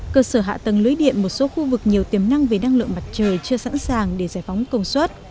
cơ sở hạ tầng lưới điện một số khu vực nhiều tiềm năng về năng lượng mặt trời chưa sẵn sàng để giải phóng công suất